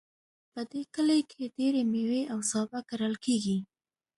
په دې کلي کې ډیری میوې او سابه کرل کیږي